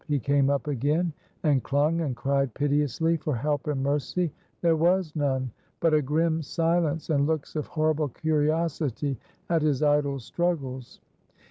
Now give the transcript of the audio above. He came up again and clung, and cried piteously for help and mercy. There was none! but a grim silence and looks of horrible curiosity at his idle struggles.